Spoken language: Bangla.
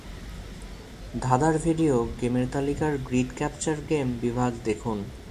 ধাঁধার ভিডিও গেমের তালিকার গ্রীড ক্যাপচার গেম বিভাগ দেখুন।